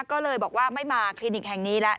ก็เลยบอกว่าไม่มาคลินิกแห่งนี้แล้ว